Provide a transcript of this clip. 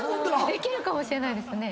できるかもしれないですね。